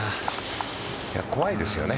怖いですよね。